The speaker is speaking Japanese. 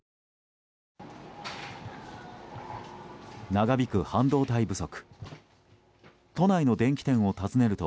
長引く半導体不足。